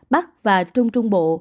bắc và trung trung bộ